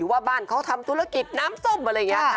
ว่าบ้านเขาทำธุรกิจน้ำส้มอะไรไงฮะ